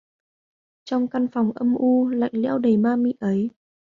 Trong căn phòng âm u lạnh lẽo đầy ma mị ấy